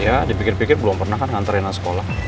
ya dipikir pikir belum pernah kan nganterin anak sekolah